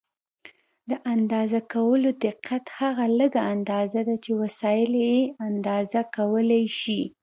د اندازه کولو دقت هغه لږه اندازه ده چې وسایل یې اندازه کولای شي.